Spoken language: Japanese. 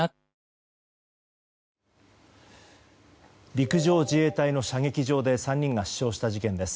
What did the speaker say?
陸上自衛隊の射撃場で３人が死傷した事件です。